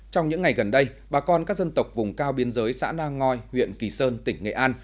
trong những ngày gần đây bà con các dân tộc vùng cao biên giới xã nang ngòi huyện kỳ sơn tỉnh nghệ an